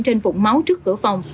trên vụn máu trước cửa phòng